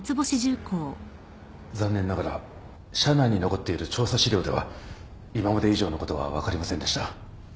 残念ながら社内に残っている調査資料では今まで以上のことは分かりませんでした。